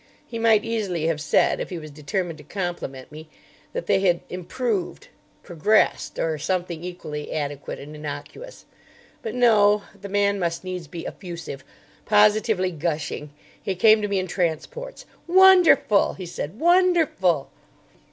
He might easily have said, if he was determined to compliment me, that they had "improved," "progressed," or something equally adequate and innocuous. But no. The man must needs be effusive, positively gushing. He came to me in transports. "Wonderful!" he said. "Wonderful!"